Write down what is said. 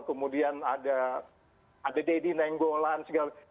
kemudian ada deddy nenggolan segala